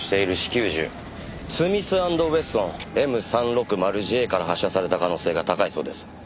銃スミス＆ウェッソンＭ３６０Ｊから発射された可能性が高いそうです。